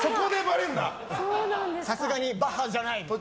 さすがにバッハじゃないって。